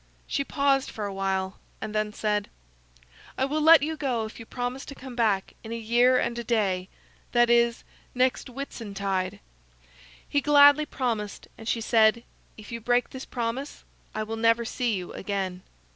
She paused for a while and then said: "I will let you go if you will promise to come back in a year and a day; that is, next Whitsuntide." He gladly promised, and she said: "If you break this promise, I will never see you again."